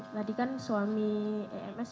tadi kan suami ems